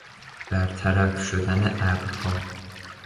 برطرف شدن ابرها